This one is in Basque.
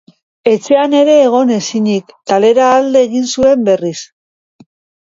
Etxean ere egon ezinik, kalera alde egin nuen berriz.